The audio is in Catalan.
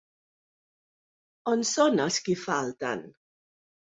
On són els qui falten?